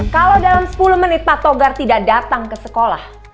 kalau dalam sepuluh menit fatogar tidak datang ke sekolah